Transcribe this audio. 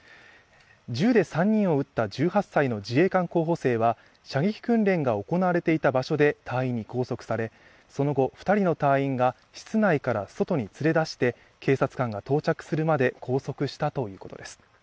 銃で３人を撃った１８歳の自衛官候補生は射撃訓練が行われていた場所で隊員に拘束されその後、２人の隊員が室内から外に連れ出して警察官が到着するまで拘束したということです。